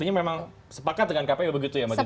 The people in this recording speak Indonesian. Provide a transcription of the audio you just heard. artinya memang sepakat dengan kpu begitu ya mbak dewi